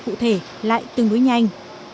cụ thể lại tương đối nhanh